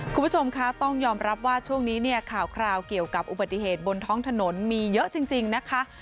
คุณผู้ชมคะต้องยอมรับว่าช่วงนี้เนี่ยข่าวคราวเกี่ยวกับอุบัติเหตุบนท้องถนนมีเยอะจริงนะคะ